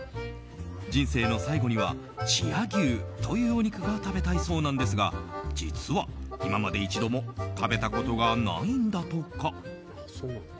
人生の最後には千屋牛というお肉が食べたいそうなんですが実は、今まで一度も食べたことがないんだとか。